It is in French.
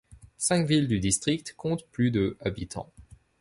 Cinq villes du district comptent plus de habitants.